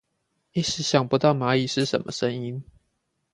一時想不到螞蟻是什麼聲音